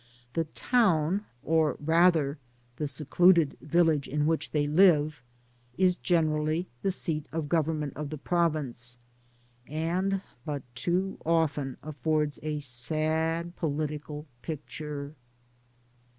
The Town, or rather the secluded Village, in which they live, is generally the seat of govern ment of the Province, and but too often affords a sad political picture.